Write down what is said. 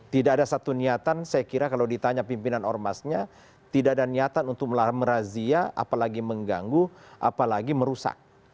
tidak ada satu niatan saya kira kalau ditanya pimpinan ormasnya tidak ada niatan untuk merazia apalagi mengganggu apalagi merusak